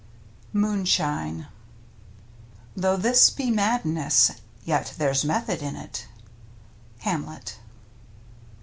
L " MOONSHINE " Though this be madness, yet there's method in it. — Hamlet.